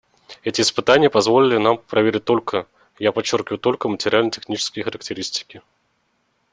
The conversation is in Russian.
Эти испытания позволили нам проверить только — я подчеркиваю только — материально-технические характеристики.